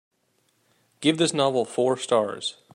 Give this novel four stars